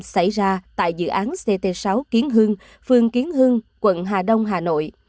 gây ra tại dự án ct sáu kiến hương phương kiến hương quận hà đông hà nội